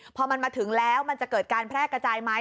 พอมันมาถึงแล้วมันจะเกิดการแพร่กระจายไหม